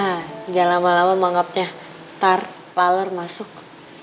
udah lama lama menganggapnya ntar lalur masuk